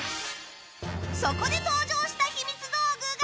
そこで登場したひみつ道具が。